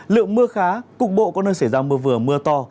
lượng mưa khá cục bộ có nơi xảy ra mưa vừa mưa to